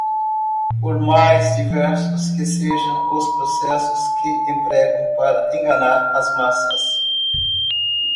por mais diversos que sejam os processos que empregam para enganar as massas